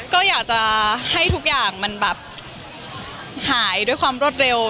ก็อยากจะให้ทุกอย่างมันแบบหายด้วยความรวดเร็ว